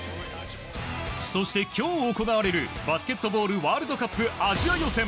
そして、今日行われるバスケットボールワールドカップアジア予選。